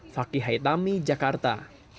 fakih haitami jakarta